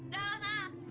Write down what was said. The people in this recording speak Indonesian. dah lah sana